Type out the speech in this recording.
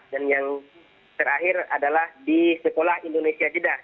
dan yang terakhir adalah di sekolah indonesia jeddah